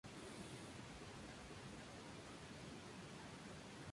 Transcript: Los sistemas de comunicación audiovisual tradicionales son la radio, el cine y la televisión.